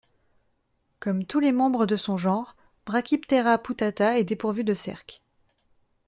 Comme tous les membres de son genre, Brachyptera putata est dépourvu de cerques.